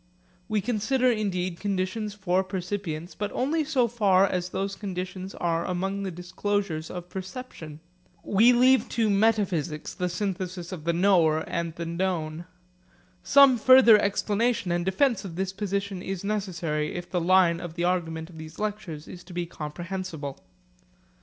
We consider indeed conditions for percipience, but only so far as those conditions are among the disclosures of perception. We leave to metaphysics the synthesis of the knower and the known. Some further explanation and defence of this position is necessary, if the line of argument of these lectures is to be comprehensible.